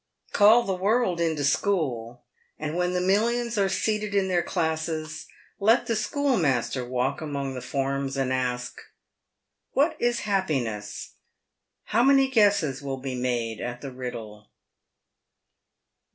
Call the world into school, and when the millions are seated in their classes, let the schoolmaster walk among the forms, and ask, " "What is happiness ?" How many guesses will be made at the riddle